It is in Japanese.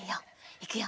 いくよ。